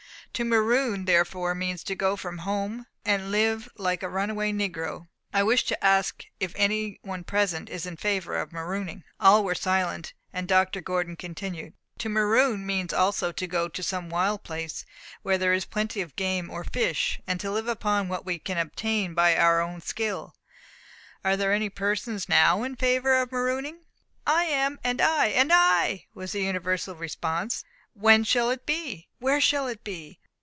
To maroon therefore means to go from home and live like a runaway negro. I wish to ask if any one present is in favour of marooning?" All were silent, and Dr. Gordon continued, "To maroon means also to go to some wild place, where there is plenty of game or fish, and to live upon what we can obtain by our own skill. Are there any persons now in favour of marooning?" "I am and I and I!" was the universal response. "When shall it be? Where shall it be?"